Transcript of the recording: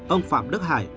ông phạm đức hải